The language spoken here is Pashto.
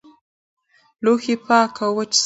لوښي پاک او وچ وساتئ.